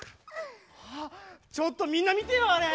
ちょっとみんなみてよあれ！